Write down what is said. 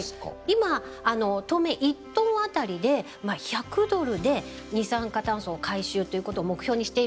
今当面１トン当たりで１００ドルで二酸化炭素を回収ということを目標にしているんです。